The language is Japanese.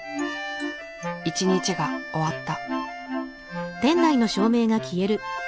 一日が終わった。